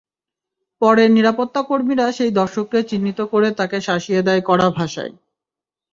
পরে নিরাপত্তাকর্মীরা সেই দর্শককে চিহ্নিত করে তাঁকে শাসিয়ে দেয় কড়া ভাষায়।